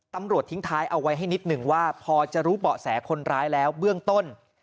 ทิ้งท้ายเอาไว้ให้นิดหนึ่งว่าพอจะรู้เบาะแสคนร้ายแล้วเบื้องต้น